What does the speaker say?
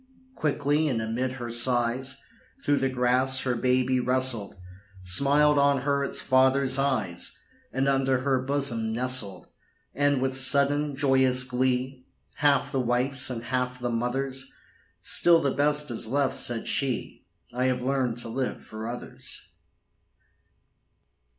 Quickly, and amid her sighs, Through the grass her baby wrestled, Smiled on her its father's eyes, And unto her bosom nestled. And with sudden, joyous glee, Half the wife's and half the mother's, "Still the best is left," said she: "I have learned to live for others."